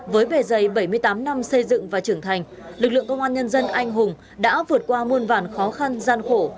với bề dày bảy mươi tám năm xây dựng và trưởng thành lực lượng công an nhân dân anh hùng đã vượt qua muôn vàn khó khăn gian khổ